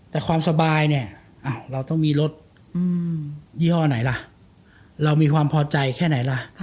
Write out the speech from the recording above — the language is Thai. แต่ความสบายเนี่ยเราต้องมีรถยี่ห้อไหนล่ะเรามีความพอใจแค่ไหนล่ะ